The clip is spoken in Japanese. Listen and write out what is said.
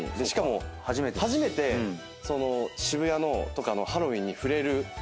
しかも初めて渋谷とかのハロウィンに触れる。